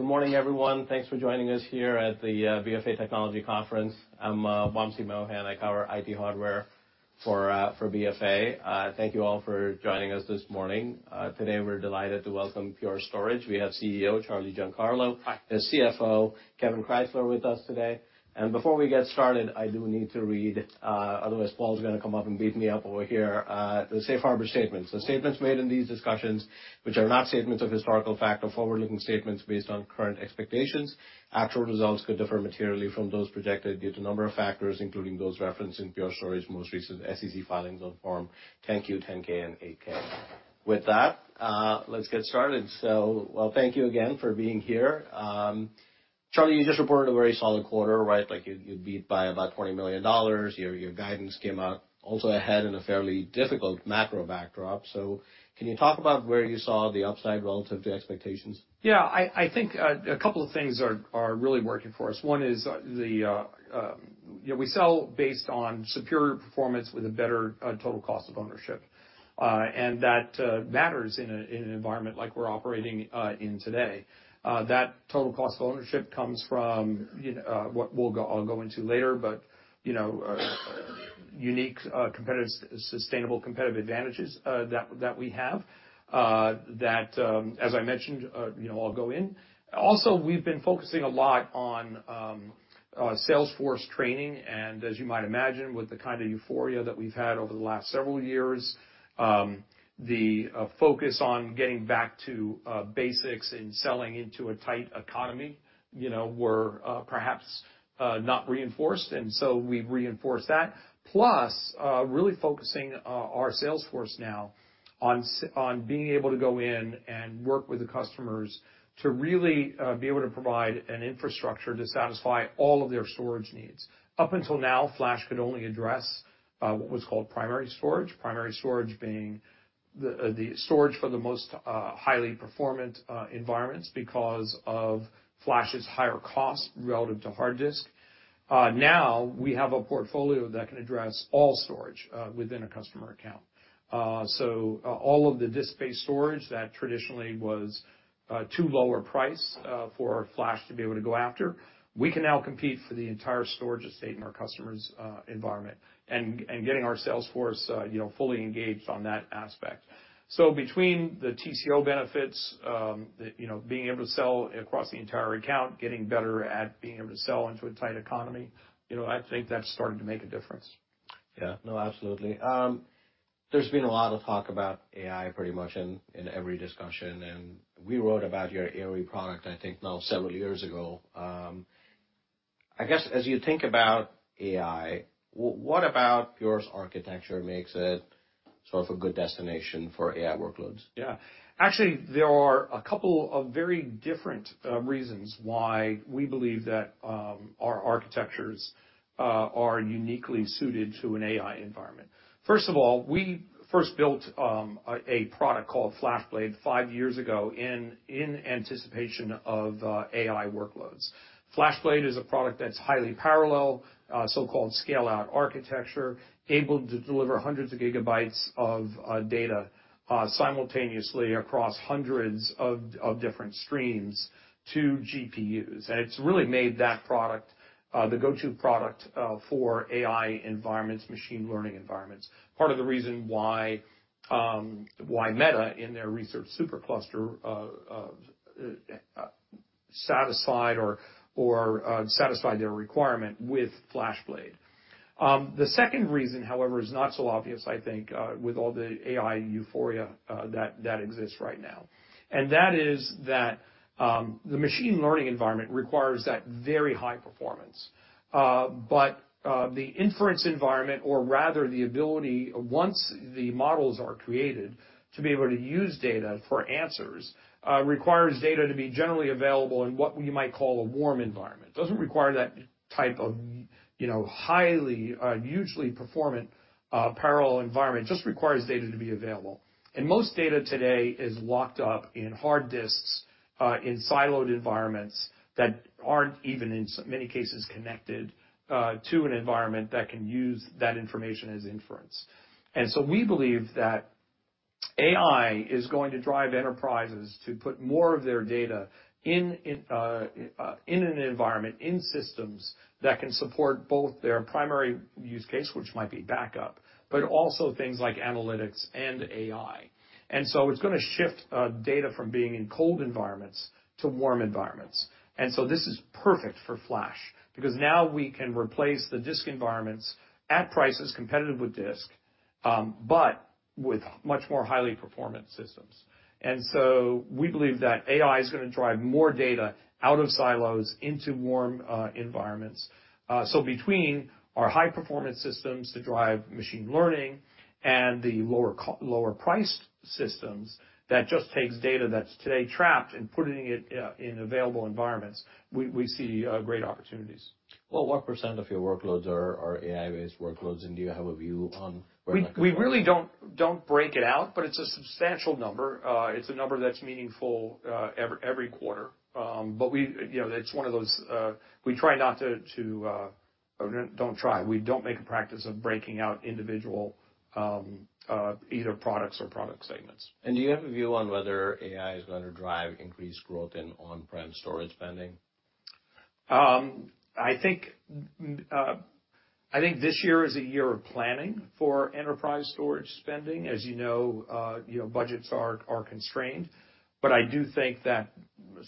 Good morning, everyone. Thanks for joining us here at the BofA Technology Conference. I'm Wamsi Mohan. I cover IT hardware for for BofA. Thank you all for joining us this morning. Today, we're delighted to welcome Pure Storage. We have CEO Charlie Giancarlo. Hi. The CFO Kevan Klessel with us today. Before we get started, I do need to read, otherwise, Paul's gonna come up and beat me up over here. The safe harbor statement. Statements made in these discussions, which are not statements of historical fact or forward-looking statements based on current expectations, actual results could differ materially from those projected due to a number of factors, including those referenced in Pure Storage, most recent SEC filings on Form 10-Q, 10-K, and 8-K. With that, let's get started. Well, thank you again for being here. Charlie, you just reported a very solid quarter, right? Like, you beat by about $20 million. Your guidance came out also ahead in a fairly difficult macro backdrop. Can you talk about where you saw the upside relative to expectations? Yeah, I think a couple of things are really working for us. One is, you know, we sell based on superior performance with a better total cost of ownership. That matters in an environment like we're operating in today. That total cost of ownership comes from, you know, what I'll go into later, but, you know, unique, competitive, sustainable competitive advantages that we have that, as I mentioned, you know, I'll go in. We've been focusing a lot on sales force training, and as you might imagine, with the kind of euphoria that we've had over the last several years, the focus on getting back to basics and selling into a tight economy, you know, were perhaps not reinforced, and so we've reinforced that. Really focusing our sales force now on being able to go in and work with the customers to really be able to provide an infrastructure to satisfy all of their storage needs. Up until now, Flash could only address what was called primary storage, primary storage being the storage for the most highly performant environments because of Flash's higher cost relative to hard disk. We have a portfolio that can address all storage within a customer account. All of the disk-based storage that traditionally was too lower price for Flash to be able to go after, we can now compete for the entire storage estate in our customer's environment, and getting our sales force, you know, fully engaged on that aspect. Between the TCO benefits, you know, being able to sell across the entire account, getting better at being able to sell into a tight economy, you know, I think that's starting to make a difference. Yeah. No, absolutely. There's been a lot of talk about AI pretty much in every discussion, we wrote about your //E product, I think now several years ago. I guess, as you think about AI, what about Pure's architecture makes it sort of a good destination for AI workloads? Yeah. Actually, there are a couple of very different reasons why we believe that our architectures are uniquely suited to an AI environment. First of all, we first built a product called FlashBlade five years ago in anticipation of AI workloads. FlashBlade is a product that's highly parallel, so-called scale-out architecture, able to deliver hundreds of gigabytes of data simultaneously across hundreds of different streams to GPUs. It's really made that product the go-to product for AI environments, machine learning environments. Part of the reason why Meta, in their AI Research SuperCluster, satisfied their requirement with FlashBlade. The second reason, however, is not so obvious, I think, with all the AI euphoria that exists right now, and that is that the machine learning environment requires that very high performance. The inference environment, or rather the ability, once the models are created, to be able to use data for answers, requires data to be generally available in what you might call a warm environment. Doesn't require that type of, you know, highly, hugely performant, parallel environment. Just requires data to be available. Most data today is locked up in hard disks, in siloed environments that aren't even, in many cases, connected to an environment that can use that information as inference. We believe that AI is going to drive enterprises to put more of their data in an environment, in systems that can support both their primary use case, which might be backup, but also things like analytics and AI. It's going to shift data from being in cold environments to warm environments. This is perfect for Flash, because now we can replace the disk environments at prices competitive with disk, but with much more highly performant systems. We believe that AI is gonna drive more data out of silos into warm environments. Between our high-performance systems to drive machine learning and the lower priced systems, that just takes data that's today trapped and putting it in available environments, we see great opportunities. Well, what % of your workloads are AI-based workloads, and do you have a view on where that goes? We really don't break it out, but it's a substantial number. It's a number that's meaningful every quarter. You know, it's one of those, we try not to. We don't make a practice of breaking out individual either products or product segments. Do you have a view on whether AI is going to drive increased growth in on-prem storage spending? I think this year is a year of planning for enterprise storage spending. As you know, you know budgets are constrained. I do think that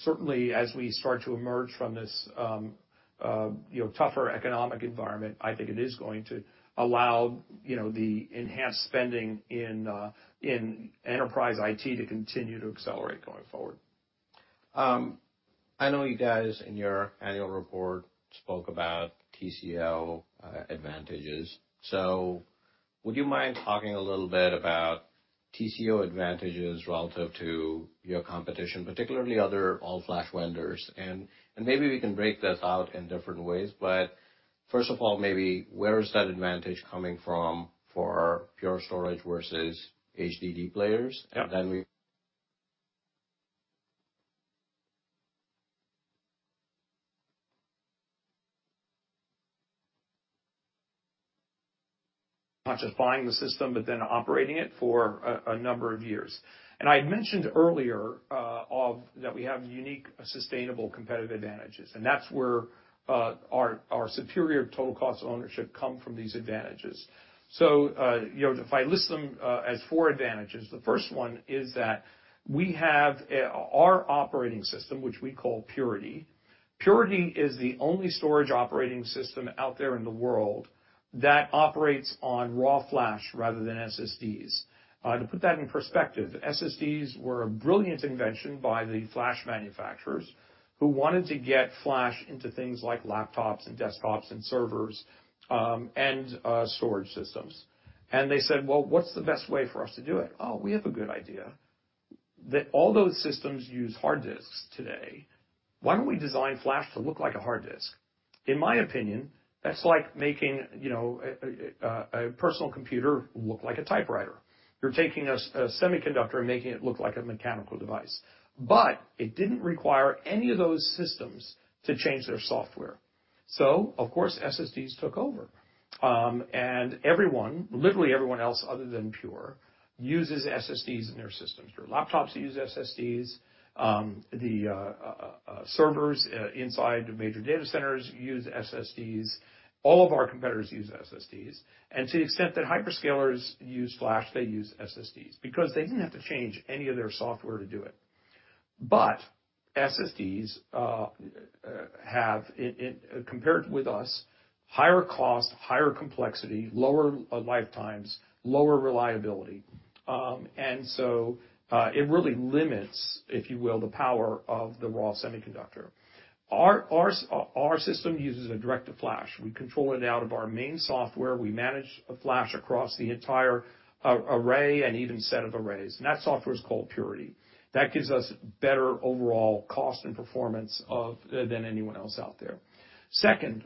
certainly as we start to emerge from this, you know, tougher economic environment, I think it is going to allow, you know, the enhanced spending in enterprise IT to continue to accelerate going forward. I know you guys, in your annual report, spoke about TCO advantages. Would you mind talking a little bit about TCO advantages relative to your competition, particularly other all-flash vendors? Maybe we can break this out in different ways, but first of all, maybe where is that advantage coming from for Pure Storage versus HDD players? Yeah. And then we- Not just buying the system, operating it for a number of years. I had mentioned earlier that we have unique, sustainable competitive advantages, and that's where our superior total cost of ownership come from these advantages. You know, if I list them as four advantages, the first one is that we have Our operating system, which we call Purity. Purity is the only storage operating system out there in the world that operates on raw flash rather than SSDs. To put that in perspective, SSDs were a brilliant invention by the flash manufacturers, who wanted to get flash into things like laptops and desktops and servers, and storage systems. They said: Well, what's the best way for us to do it? We have a good idea. That all those systems use hard disks today, why don't we design flash to look like a hard disk? In my opinion, that's like making, you know, a personal computer looks like a typewriter. You're taking a semiconductor and making it look like a mechanical device. It didn't require any of those systems to change their software. Of course, SSDs took over. Everyone, literally everyone else other than Pure, uses SSDs in their systems. Your laptops use SSDs, the servers inside the major data centers use SSDs. All of our competitors use SSDs, and to the extent that hyperscalers use flash, they use SSDs because they didn't have to change any of their software to do it. SSDs have, compared with us, higher cost, higher complexity, lower lifetimes, lower reliability. It really limits, if you will, the power of the raw semiconductor. Our system uses a direct to flash. We control it out of our main software. We manage the flash across the entire array and even set of arrays, and that software is called Purity. That gives us better overall cost and performance of, than anyone else out there. Second,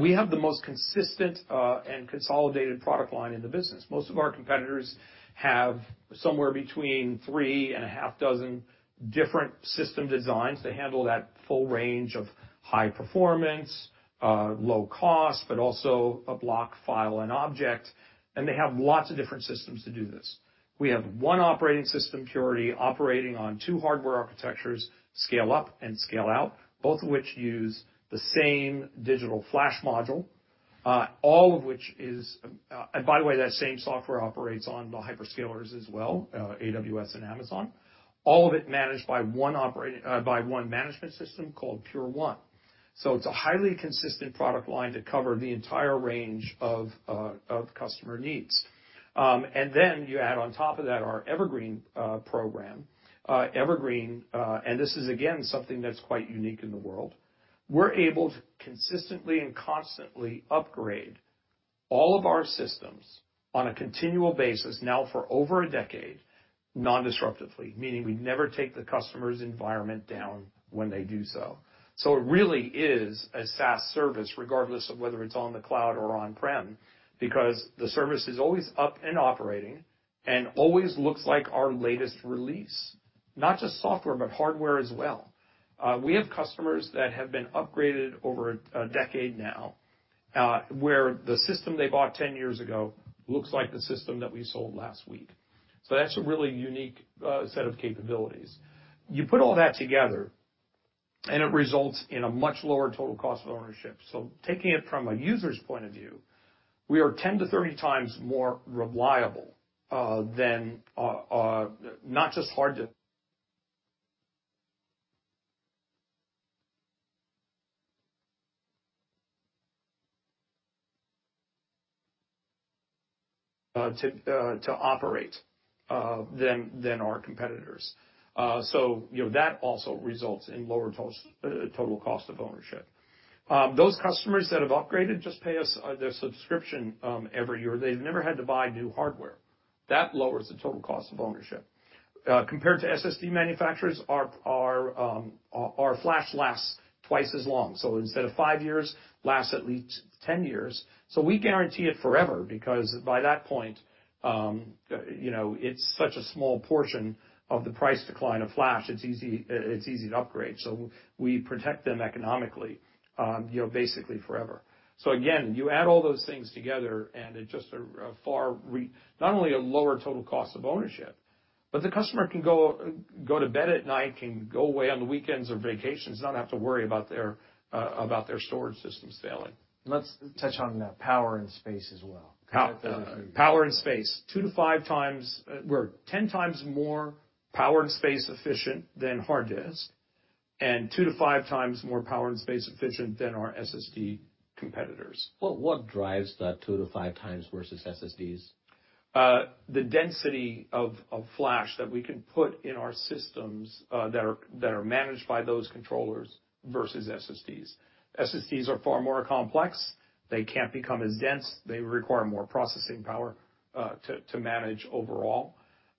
we have the most consistent and consolidated product line in the business. Most of our competitors have somewhere between 3 and a half dozen different system designs to handle that full range of high performance, low cost, but also a block, file, and object, and they have lots of different systems to do this. We have 1 operating system, Purity, operating on 2 hardware architectures, scale-up and scale-out, both of which use the same digital flash module, all of which is. By the way, that same software operates on the hyperscalers as well, AWS and Amazon. All of it managed by 1 management system called Pure1. It's a highly consistent product line to cover the entire range of customer needs. Then you add on top of that our Evergreen program. Evergreen, and this is, again, something that's quite unique in the world. We're able to consistently and constantly upgrade all of our systems on a continual basis now for over a decade, non-disruptively, meaning we never take the customer's environment down when they do so. It really is a SaaS service, regardless of whether it's on the cloud or on-prem, because the service is always up and operating and always looks like our latest release, not just software, but hardware as well. We have customers that have been upgraded over a decade now, where the system they bought 10 years ago looks like the system that we sold last week. That's a really unique set of capabilities. You put all that together, and it results in a much lower total cost of ownership. Taking it from a user's point of view, we are 10 to 30 times more reliable than not just hard to operate than our competitors. You know, that also results in lower total cost of ownership. Those customers that have upgraded just pay us their subscription every year. They've never had to buy new hardware. That lowers the total cost of ownership. Compared to SSD manufacturers, our flash lasts twice as long. Instead of 5 years, lasts at least 10 years. We guarantee it forever, because by that point, you know, it's such a small portion of the price decline of flash, it's easy, it's easy to upgrade, so we protect them economically, you know, basically forever. Again, you add all those things together, and it's just not only a lower total cost of ownership. The customer can go to bed at night, can go away on the weekends or vacations, not have to worry about their storage systems failing. Let's touch on the power and space as well. Power and space, 2-5 times, well, 10 times more power and space efficient than hard disk, and 2-5 times more power and space efficient than our SSD competitors. What drives that two to five times versus SSDs? The density of flash that we can put in our systems, that are managed by those controllers versus SSDs. SSDs are far more complex. They can't become as dense. They require more processing power to manage overall.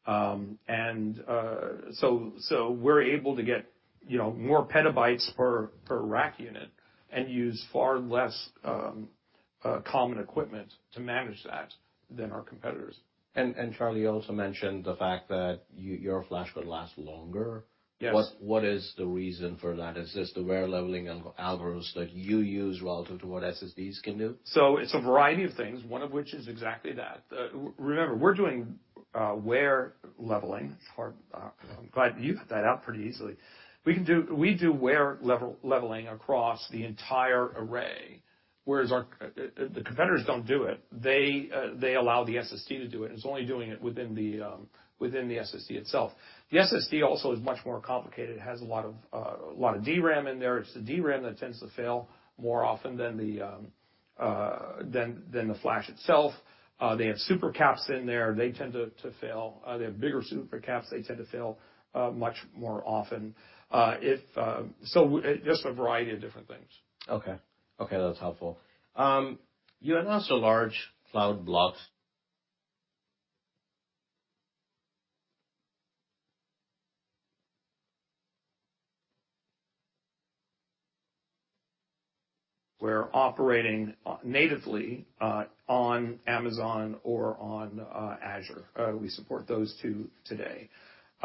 We're able to get, you know, more petabytes per rack unit and use far less common equipment to manage that than our competitors. Charlie, you also mentioned the fact that your flash could last longer? Yes. What is the reason for that? Is this the wear leveling and algorithms that you use relative to what SSDs can do? It's a variety of things, one of which is exactly that. Remember, we're doing wear leveling. It's hard. I'm glad you put that out pretty easily. We do wear leveling across the entire array, whereas our competitors don't do it. They allow the SSD to do it, and it's only doing it within the SSD itself. The SSD also is much more complicated. It has a lot of DRAM in there. It's the DRAM that tends to fail more often than the flash itself. They have supercaps in there. They tend to fail. They have bigger supercaps. They tend to fail much more often. Just a variety of different things. Okay. Okay, that's helpful. You announced a large Cloud block. We're operating natively on Amazon or on Azure. We support those two today.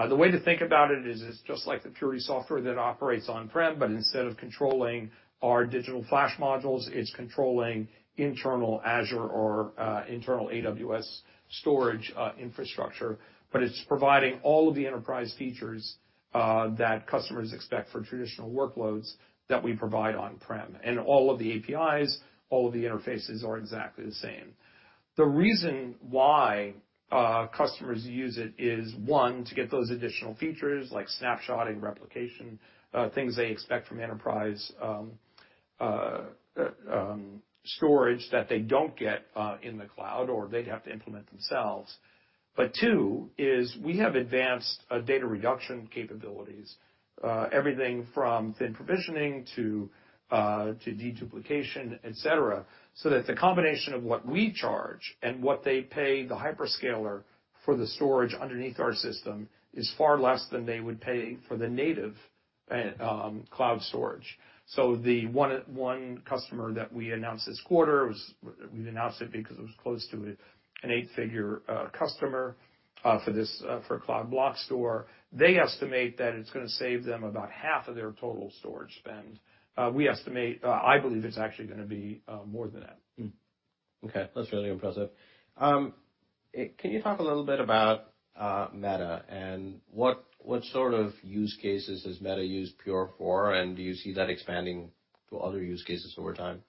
The way to think about it is, it's just like the Pure software that operates on-prem, but instead of controlling our digital flash modules, it's controlling internal Azure or internal AWS storage infrastructure. It's providing all of the enterprise features that customers expect for traditional workloads that we provide on-prem. All of the APIs, all of the interfaces are exactly the same. The reason why customers use it is, one, to get those additional features like snapshot and replication, things they expect from enterprise storage, that they don't get in the cloud, or they have to implement themselves. Two, is we have advanced data reduction capabilities, everything from thin provisioning to deduplication, et cetera, so that the combination of what we charge and what they pay the hyperscaler for the storage underneath our system is far less than they would pay for the native cloud storage. The one customer that we announced this quarter was, we announced it because it was close to an 8-figure customer for this, for a Cloud Block Store. They estimate that it's gonna save them about half of their total storage spend. We estimate, I believe it's actually gonna be more than that. Okay, that's really impressive. Can you talk a little bit about Meta and what sort of use cases has Meta used Pure for? Do you see that expanding to other use cases over time?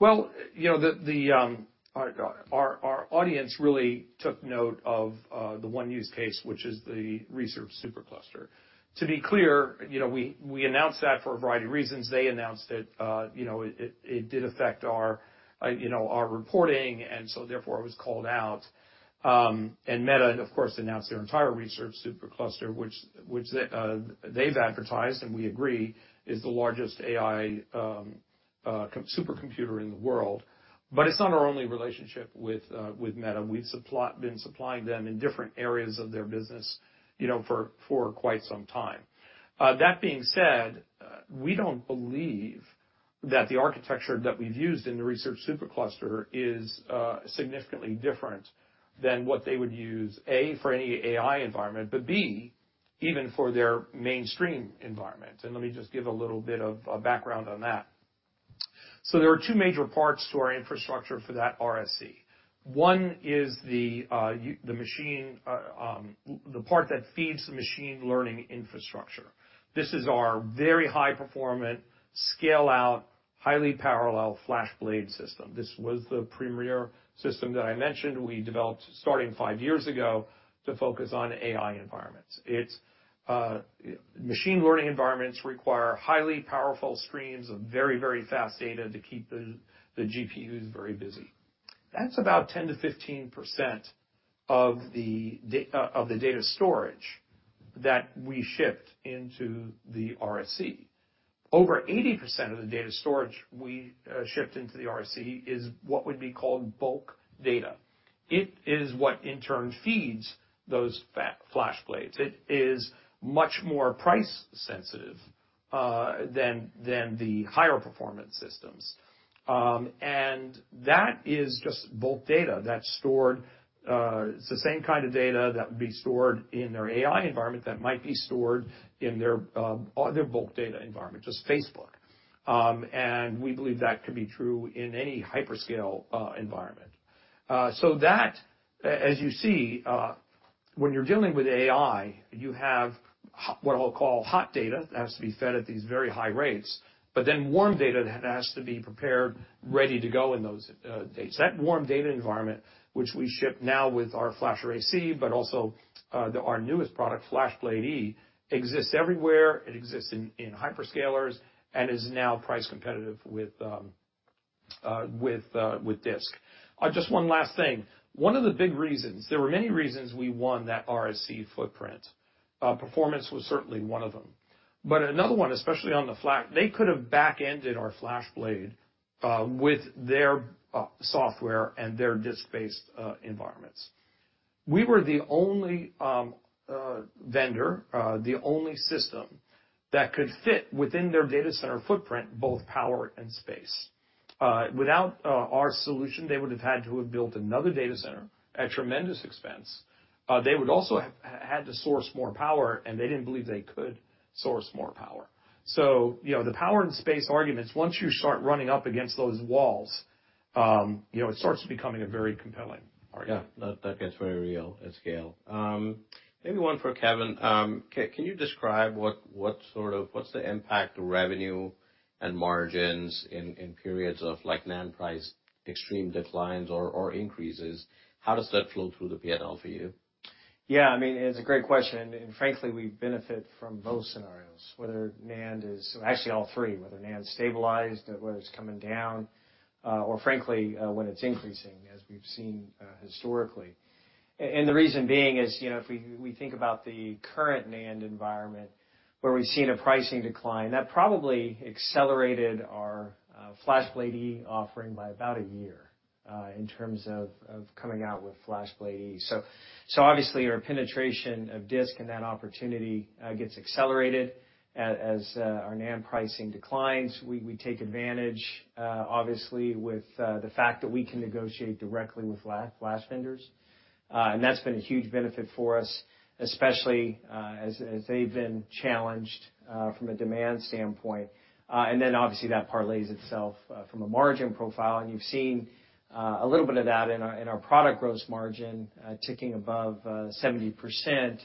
Well, you know, our audience really took note of the one-use case, which is the AI Research SuperCluster. To be clear, you know, we announced that for a variety of reasons. They announced it did affect our reporting; therefore, it was called out. Meta, of course, announced their entire AI Research SuperCluster, which they've advertised, and we agree, is the largest AI supercomputer in the world. It's not our only relationship with Meta. We've been supplying them in different areas of their business, you know, for quite some time. That being said, we don't believe that the architecture that we've used in the Research SuperCluster is significantly different than what they would use, A, for any AI environment, but B, even for their mainstream environment. Let me just give a little bit of background on that. There are two major parts to our infrastructure for that RSC. One is the machine, the part that feeds the machine learning infrastructure. This is our very high-performant, scale-out, highly parallel FlashBlade system. This was the premier system that I mentioned we developed starting five years ago to focus on AI environments. It's machine learning environments require highly powerful streams of very, very fast data to keep the GPUs very busy. That's about 10% to 15% of the data storage that we shipped into the RSC. Over 80% of the data storage we shipped into the RSC is what would be called bulk data. It is what, in turn, feeds those FlashBlade. It is much more price sensitive than the higher performance systems. That is just bulk data that's stored, it's the same kind of data that would be stored in their AI environment, that might be stored in their other bulk data environment, just Facebook. We believe that could be true in any hyperscale environment. That, as you see, when you're dealing with AI, you have what I'll call hot data, that has to be fed at these very high rates, but then warm data that has to be prepared, ready to go in those dates. That warm data environment, which we ship now with our FlashArray//C, but also, our newest product, FlashBlade//E, exists everywhere. It exists in hyperscalers and is now price competitive with disk. Just 1 last thing. There were many reasons we won that RSC footprint. Performance was certainly 1 of them, but another 1, especially on the flak, they could have backended our FlashBlade with their software and their disk-based environments. We were the only vendor, the only system that could fit within their data center footprint, both power and space. Without our solution, they would have had to have built another data center at tremendous expense. They would also have had to source more power, and they didn't believe they could source more power. You know, the power and space arguments, once you start running up against those walls, you know, it starts becoming a very compelling argument. Yeah, that gets very real at scale. Maybe one for Kevan. Can you describe what's the impact to revenue and margins in periods of, like, NAND price, extreme declines or increases? How does that flow through the PNL for you? Yeah, I mean, it's a great question, and frankly, we benefit from both scenarios. Actually, all three, whether NAND's stabilized, whether it's coming down, or frankly, when it's increasing, as we've seen historically. The reason being is, you know, if we think about the current NAND environment, where we've seen a pricing decline, that probably accelerated our FlashBlade//E offering by about a year in terms of coming out with FlashBlade//E. Obviously, our penetration of disk and that opportunity gets accelerated as our NAND pricing declines. We take advantage, obviously, with the fact that we can negotiate directly with flash vendors, that's been a huge benefit for us, especially as they've been challenged from a demand standpoint. Obviously, that parlays itself from a margin profile, and you've seen a little bit of that in our product gross margin ticking above 70%.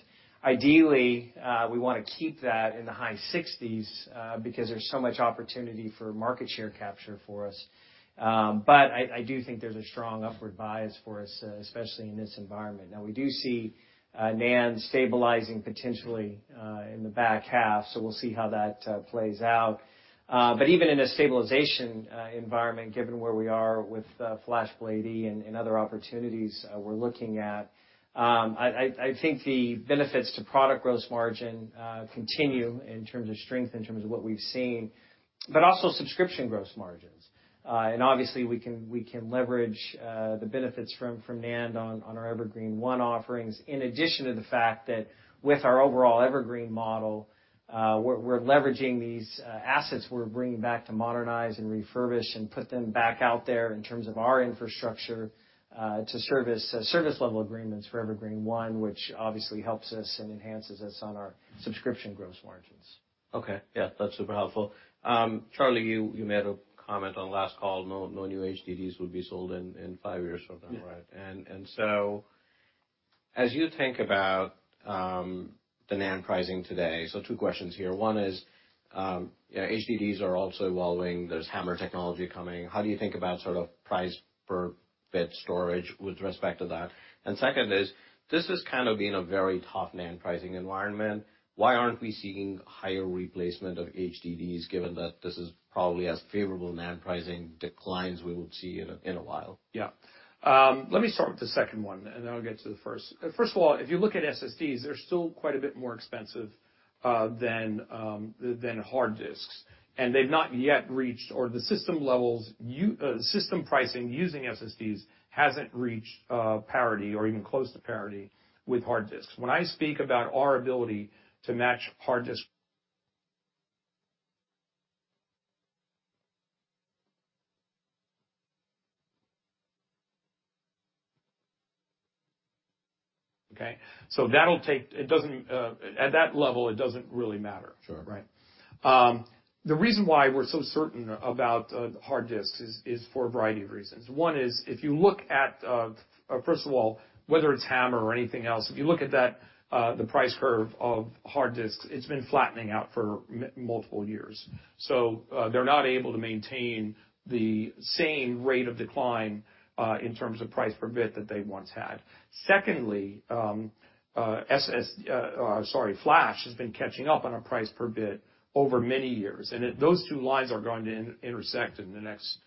Ideally, we want to keep that in the high sixties because there's so much opportunity for market share capture for us. I do think there's a strong upward bias for us, especially in this environment. We do see NAND stabilizing potentially in the back half, so we'll see how that plays out. Even in a stabilization environment, given where we are with FlashBlade//E and other opportunities, we're looking at, I think the benefits to product gross margin continue in terms of strength, in terms of what we've seen, but also subscription gross margins. Obviously, we can leverage the benefits from NAND on our Evergreen//One offerings, in addition to the fact that with our overall Evergreen model, we're leveraging these assets we're bringing back to modernize and refurbish and put them back out there in terms of our infrastructure, to service level agreements for Evergreen//One, which obviously helps us and enhances us on our subscription gross margins. Okay. Yeah, that's super helpful. Charlie, you made a comment on last call, no new HDDs would be sold in 5 years from now, right? Yeah. As you think about the NAND pricing today, so 2 questions here. One is, yeah, HDDs are also evolving. There's HAMR technology coming. How do you think about sort of price per bit storage with respect to that? Second is, this has kind of been a very tough NAND pricing environment. Why aren't we seeing higher replacement of HDDs, given that this is probably as favorable NAND pricing declines, we will see in a, in a while? Yeah. Let me start with the second one, and then I'll get to the first. First of all, if you look at SSDs, they're still quite a bit more expensive than hard disks, and they've not yet reached or the system levels system pricing using SSDs hasn't reached parity or even close to parity with hard disks. When I speak about our ability to match hard disk. Okay? That'll take... It doesn't at that level, it doesn't really matter. Sure. Right? The reason why we're so certain about hard disks is for a variety of reasons. One is, if you look at, first of all, whether it's HAMR or anything else, if you look at that, the price curve of hard disks, it's been flattening out for multiple years. They're not able to maintain the same rate of decline in terms of price per bit that they once had. Secondly, flash has been catching up on a price per bit over many years, and those two lines are going to intersect in the next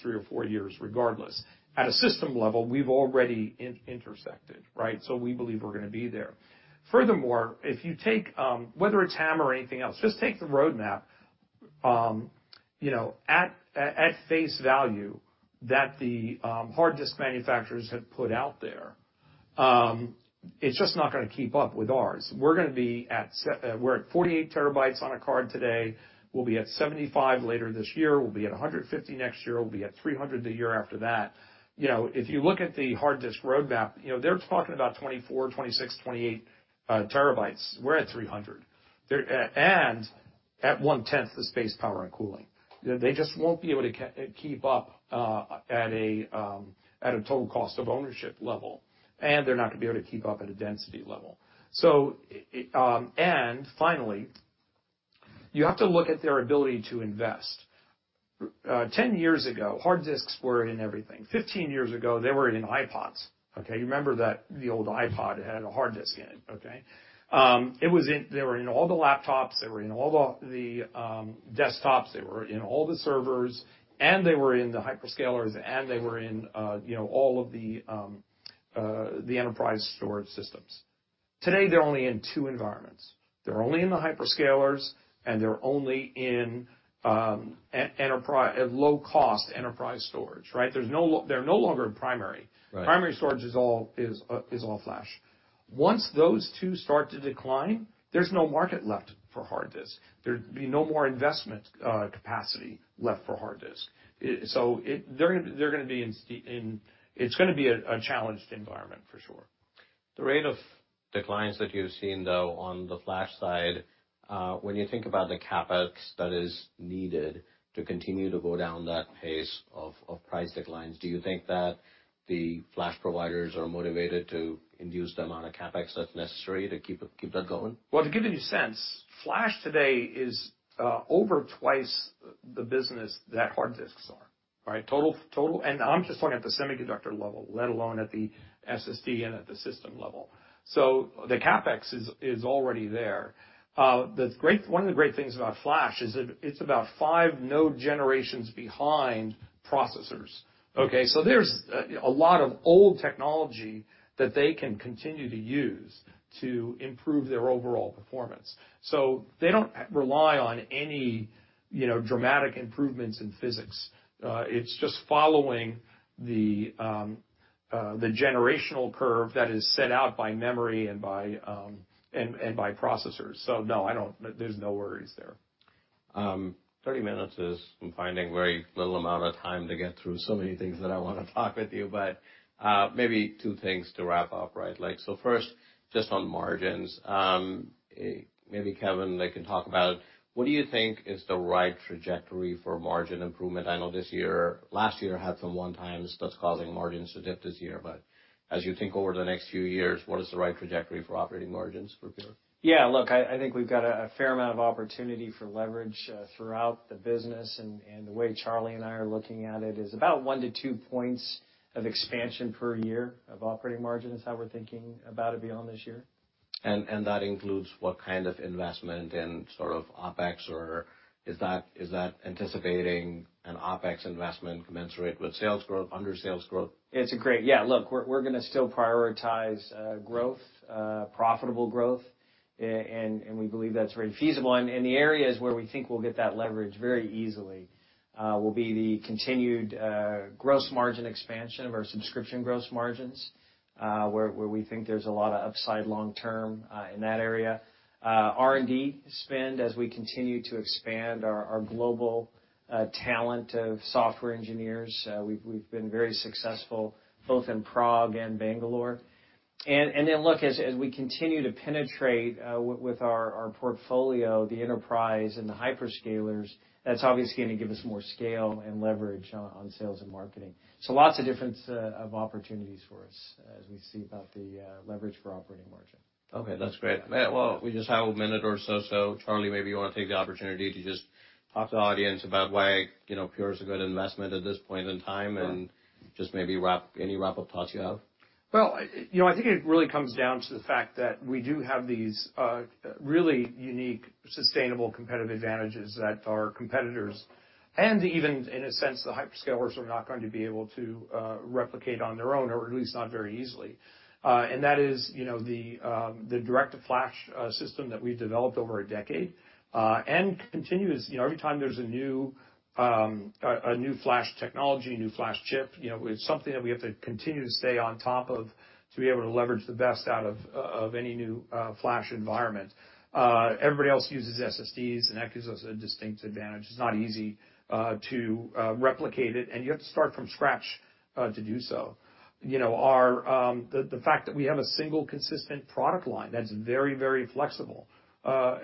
3 or 4 years, regardless. At a system level, we've already intersected, right? We believe we're gonna be there. Furthermore, if you take, whether it's HAMR or anything else, just take the roadmap, you know, at face value, that the hard disk manufacturers have put out there, it's just not gonna keep up with ours. We're at 48 terabytes on a card today. We'll be at 75 later this year. We'll be at 150 next year. We'll be at 300 the year after that. You know, if you look at the hard disk roadmap, you know, they're talking about 24, 26, 28 terabytes. We're at 300. At one-tenth the space, power, and cooling. They just won't be able to keep up at a total cost of ownership level, and they're not gonna be able to keep up at a density level. Finally, you have to look at their ability to invest. 10 years ago, hard disks were in everything. 15 years ago, they were in iPods, okay? You remember that the old iPod had a hard disk in it, okay? They were in all the laptops, they were in all the desktops, they were in all the servers, and they were in the hyperscalers, and they were in, you know, all of the enterprise storage systems. Today, they're only in two environments. They're only in the hyperscalers, and they're only in low-cost enterprise storage, right? There's no longer in primary. Right. Primary storage is all, is all flash. Once those two start to decline, there's no market left for hard disk. There'd be no more investment, capacity left for hard disk. It's gonna be a challenged environment, for sure. The rate of declines that you've seen, though, on the flash side, when you think about the CapEx that is needed to continue to go down that pace of price declines, do you think that the flash providers are motivated to induce the amount of CapEx that's necessary to keep that going? Well, to give you a sense, flash today is over twice the business that hard disks are, right? Total... I'm just looking at the semiconductor level, let alone at the SSD and at the system level. The CapEx is already there. One of the great things about flash is it's about five node generations behind processors, okay? There's a lot of old technology that they can continue to use to improve their overall performance. They don't rely on any, you know, dramatic improvements in physics. It's just following the generational curve that is set out by memory and by and by processors. No, I don't... There's no worries there. 30 minutes is I'm finding very little amount of time to get through so many things that I wanna talk with you, but maybe 2 things to wrap up, right? Like, so first, just on margins, maybe Kevin, like, can talk about what do you think is the right trajectory for margin improvement? I know last year had some one-times that's causing margins to dip this year, but as you think over the next few years, what is the right trajectory for operating margins for Pure? Look, I think we've got a fair amount of opportunity for leverage throughout the business, and the way Charlie and I are looking at it is about 1-2 points of expansion per year of operating margin, is how we're thinking about it beyond this year. That includes what kind of investment and sort of OpEx, or is that anticipating an OpEx investment commensurate with sales growth, under sales growth? It's a great. Look, we're gonna still prioritize growth, profitable growth. We believe that's very feasible. And the areas where we think we'll get that leverage very easily will be the continued gross margin expansion of our subscription gross margins, where we think there's a lot of upside long term in that area. R&D spend, as we continue to expand our global talent of software engineers. We've been very successful both in Prague and Bangalore. Look, as we continue to penetrate with our portfolio, the enterprise and the hyperscalers, that's obviously going to give us more scale and leverage on sales and marketing. Lots of different opportunities for us as we see about the leverage for operating margin. Okay, that's great. Well, we just have a minute or so, Charlie, maybe you want to take the opportunity to just talk to the audience about why, you know, Pure is a good investment at this point in time, and just maybe any wrap-up thoughts you have. Well, you know, I think it really comes down to the fact that we do have these really unique, sustainable competitive advantages that our competitors, and even in a sense, the hyperscalers, are not going to be able to replicate on their own, or at least not very easily. That is, you know, the direct-to-flash system that we've developed over a decade, and continues, you know, every time there's a new flash technology, a new flash chip, you know, it's something that we have to continue to stay on top of to be able to leverage the best out of any new flash environment. Everybody else uses SSDs, and that gives us a distinct advantage. It's not easy to replicate it, and you have to start from scratch to do so. You know, our, the fact that we have a single consistent product line that's very, very flexible. Our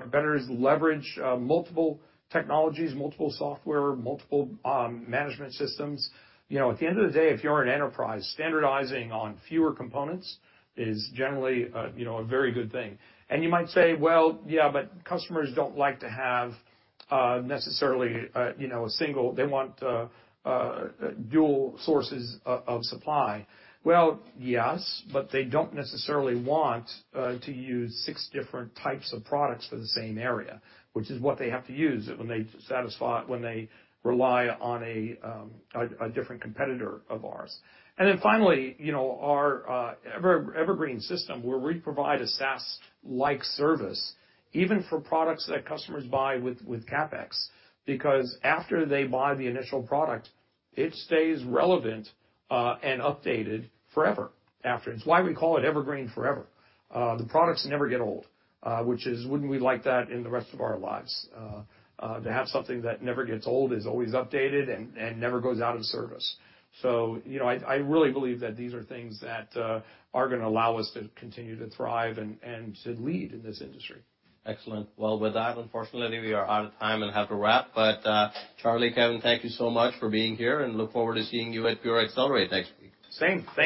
competitors leverage multiple technologies, multiple software, multiple management systems. You know, at the end of the day, if you're an enterprise, standardizing on fewer components is generally, you know, a very good thing. You might say, "Well, yeah, but customers don't like to have necessarily, you know, a single... They want dual sources of supply." Well, yes, but they don't necessarily want to use 6 different types of products for the same area, which is what they have to use when they rely on a different competitor of ours. Finally, you know, our Evergreen system, where we provide a SaaS-like service, even for products that customers buy with CapEx, because after they buy the initial product, it stays relevant and updated forever after. It's why we call it Evergreen//Forever. The products never get old, which is, wouldn't we like that in the rest of our lives, to have something that never gets old, is always updated and never goes out of service? You know, I really believe that these are things that are gonna allow us to continue to thrive and to lead in this industry. Excellent. Well, with that, unfortunately, we are out of time and have to wrap. Charlie, Kevan, thank you so much for being here, and look forward to seeing you at Pure//Accelerate next week. Same. Thank you.